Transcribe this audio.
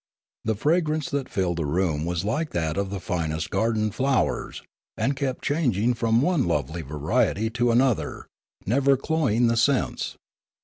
The fragrance that filled the room was like that of finest garden flowers, and kept changing from one lovely variety to another, never cloying the sense.